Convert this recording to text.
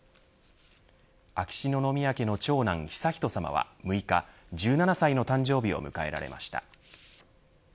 秋篠宮家の長男、悠仁さまは６日１７歳の誕生日を迎えられました。